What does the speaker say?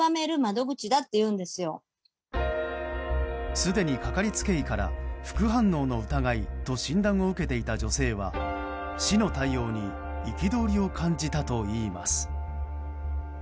すでに、かかりつけ医から副反応の疑いと診断を受けていた女性は市の対応に憤りを感じたといいます。